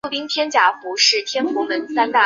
当时张之洞由湖广总督转任军机大臣。